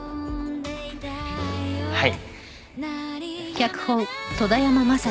はい。